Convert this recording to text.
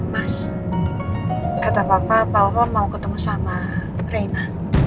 mas kata papa pak lohong mau ketemu sama reina